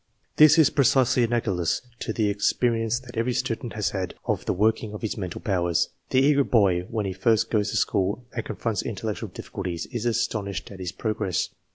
This is precisely analogous to the experience that every student has had of the working of his mental powers. The eager boy, when he first goes to school and confronts intellectual difficulties, is astonished at his progress.